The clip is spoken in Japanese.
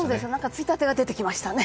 ついたてが出てきましたね。